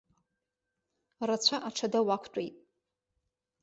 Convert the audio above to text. Рацәа аҽада уақәтәеит!